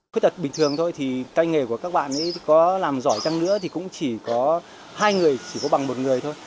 khuyết tật bình thường thôi thì tay nghề của các bạn ấy có làm giỏi chăng nữa thì cũng chỉ có hai người chỉ có bằng một người thôi